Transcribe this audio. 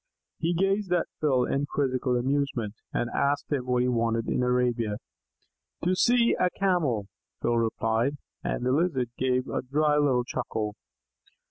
He gazed at Phil in quizzical amusement, and asked him what he wanted in Arabia. "To see a Camel," Phil replied, and the Lizard gave a dry little chuckle.